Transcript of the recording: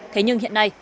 thế nhưng hiện nay